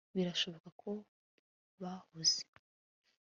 birashoboka ko bahuze